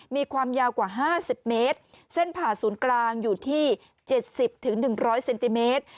มีความยาวกว่า๕๐เมตรเส้นผ่าศูนย์กลางอยู่ที่๗๐๑๐๐เซนติเมตร